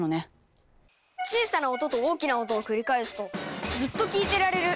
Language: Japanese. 小さな音と大きな音を繰り返すとずっと聴いてられる。